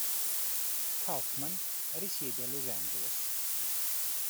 Kaufman risiede a Los Angeles.